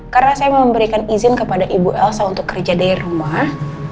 karena saya memberikan izin kepada ibu elsa untuk kerja dari rumah